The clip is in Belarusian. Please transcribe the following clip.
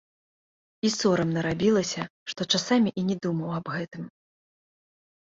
І сорамна рабілася, што часамі і не думаў аб гэтым.